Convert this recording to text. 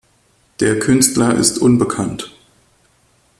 Der Künstler ist unbekannt.